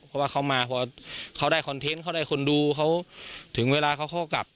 เพราะว่าเขามาพอเขาได้คอนเทนต์เขาได้คนดูเขาถึงเวลาเขาเข้ากลับ